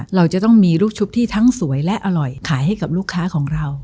เราจะต้องมีลูกชุบที่ทั้งสวยและอร่อยขายให้กับลูกค้าของเรา